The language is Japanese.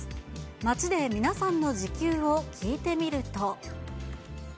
街で皆さんの時給を聞いてみると。